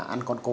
anh con cô